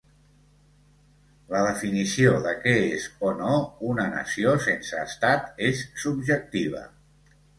La definició de què és o no una nació sense estat és subjectiva.